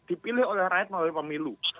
dipilih oleh rakyat melalui pemilu